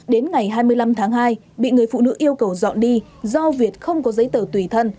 đến ngày hai mươi năm tháng hai bị người phụ nữ yêu cầu dọn đi do việt không có giấy tờ tùy thân